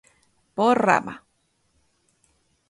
Por Rama